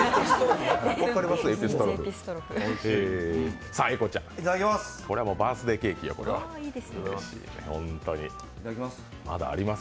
分かります？